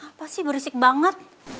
apa sih berisik banget